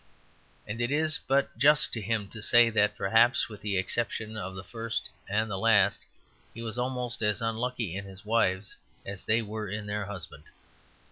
And it is but just to him to say that, perhaps with the exception of the first and the last, he was almost as unlucky in his wives as they were in their husband.